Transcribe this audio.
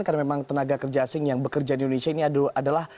karena memang tenaga kerja asing yang bekerja di indonesia ini adalah